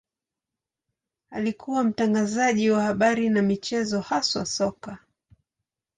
Alikuwa mtangazaji wa habari na michezo, haswa soka.